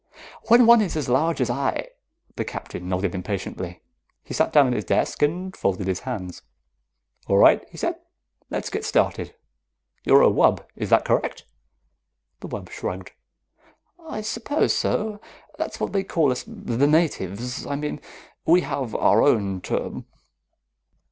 When one is as large as I " The Captain nodded impatiently. He sat down at his desk and folded his hands. "All right," he said. "Let's get started. You're a wub? Is that correct?" The wub shrugged. "I suppose so. That's what they call us, the natives, I mean. We have our own term."